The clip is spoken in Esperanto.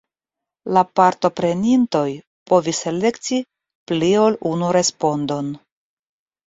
La partoprenintoj povis elekti pli ol unu respondon.